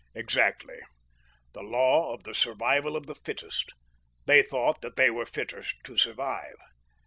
"Exactly. The law of the survival of the fittest. They thought that they were fitter to survive.